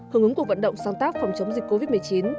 hướng ứng của vận động sang tác phòng chống dịch covid một mươi chín